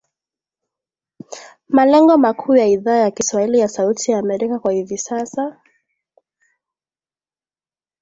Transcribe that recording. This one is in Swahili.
Malengo makuu ya Idhaa ya kiswahili ya Sauti ya Amerika kwa hivi sasa